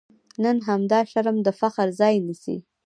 نن همدا شرم د فخر ځای نیسي.